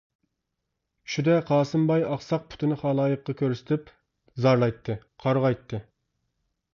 چۈشىدە قاسىم باي ئاقساق پۇتىنى خالايىققا كۆرسىتىپ زارلايتتى، قارغايتتى.